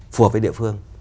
phù hợp với địa phương